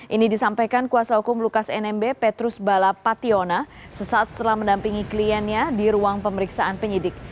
ini disampaikan kuasa hukum lukas nmb petrus bala pationa sesaat setelah mendampingi kliennya di ruang pemeriksaan penyidik